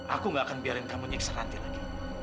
aku gak akan biarin kamu nyeksa ranti lagi